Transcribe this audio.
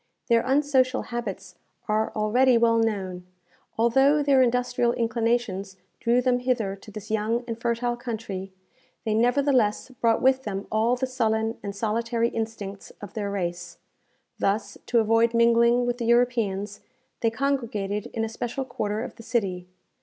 Their unsocial habits are already well known. Although their industrial inclinations drew them hither to this young and fertile country, they nevertheless brought with them all the sullen and solitary instincts of their race. Thus, to avoid mingling with the Europeans, they congregated in a special quarter of the city.